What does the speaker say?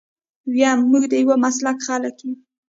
ويم موږ د يو مسلک خلک يو.